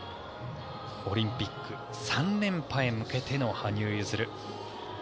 オリンピック３連覇へ向けての羽生結弦。